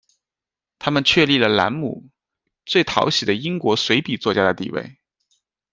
它们“确立了兰姆‘最讨喜的英国随笔作家’的地位。